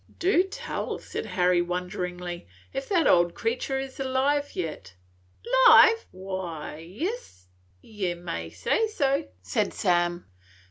"Do tell," said Harry, wonderingly, "if that old creature is alive yet!" "'Live? Why, yis, ye may say so," said Sam.